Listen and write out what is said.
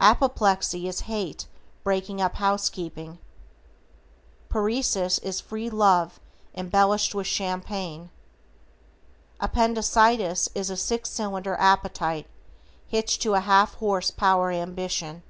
Apoplexy is hate breaking up housekeeping. Paresis is free love embellished with champagne. Appendicitis is a six cylinder appetite hitched to a half horse power ambition.